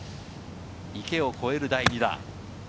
池を越える第２打。